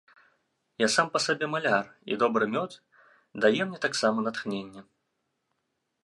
Я сам па сабе маляр, і добры мёд дае мне таксама натхненне.